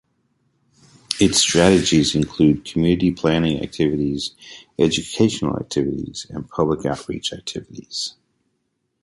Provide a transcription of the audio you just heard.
Its strategies include community-planning activities, educational activities, and public out-reach activities.